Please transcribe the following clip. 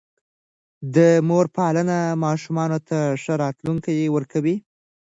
د مور پالنه ماشومانو ته ښه راتلونکی ورکوي.